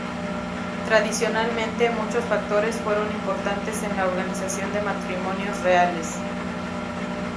Tradicionalmente, muchos factores fueron importantes en la organización de matrimonios reales.